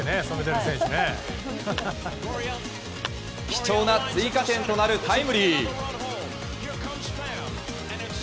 貴重な追加点となるタイムリー！